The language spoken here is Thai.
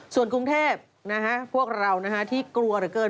ส่วนกรุงเทพพวกเราที่กลัวเหลือเกิน